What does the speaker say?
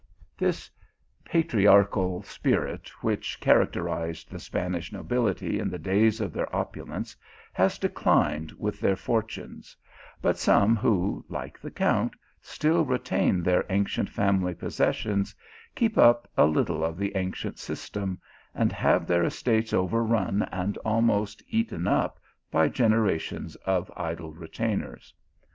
This patriarchal spirit which characterized the Spanish nobility in the days of their opulence has declined with their fortunes ; but some who, like the Count, still retain their ancient family possessions, keep up a little of the ancient system, and have their estates overrun and almost eaten up by generations of idle retainers.